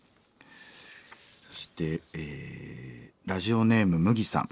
そしてラジオネームムギさん。